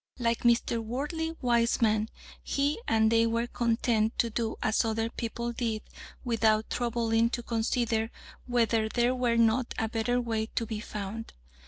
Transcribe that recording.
Like Mr. Worldly wise man, he and they were content to do as other people did without troubling to consider whether there were not a better way to be found.